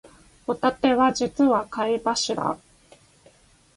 ホタテは実は貝柱